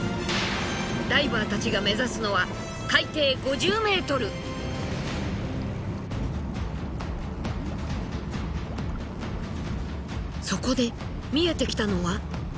ダイバーたちが目指すのはそこで見えてきたのは。